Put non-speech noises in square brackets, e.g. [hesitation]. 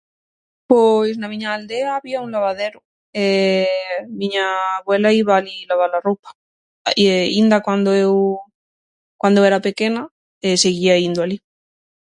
Pois na miña aldea había un lavadero. [hesitation] Miña abuela iba alí lava-la roupa, índa cuando eu, cuando era pequena, seguía indo alí.